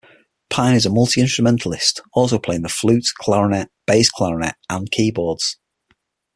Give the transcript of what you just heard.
Pine is a multi-instrumentalist, also playing the flute, clarinet, bass clarinet and keyboards.